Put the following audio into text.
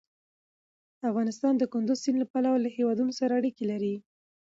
افغانستان د کندز سیند له پلوه له هېوادونو سره اړیکې لري.